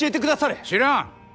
知らん。